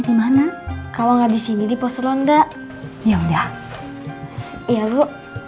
gimana kalau nggak di sini di poselonda ya udah iya lu